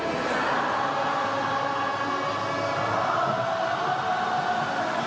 โอ้อินทรีย์